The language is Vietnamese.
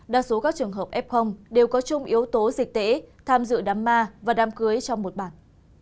đa số các trường hợp f đều có chung yếu tố dịch tễ tham dự đám ma và đám cưới trong một bảng